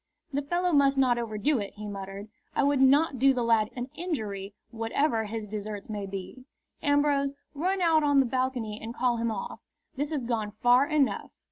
"The fellow must not overdo it," he muttered. "I would not do the lad an injury, whatever his deserts may be. Ambrose, run out on the balcony and call him off. This has gone far enough."